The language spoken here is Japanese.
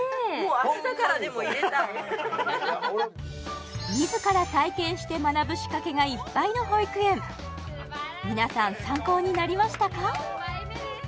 もう自ら体験して学ぶ仕掛けがいっぱいの保育園皆さん参考になりましたか？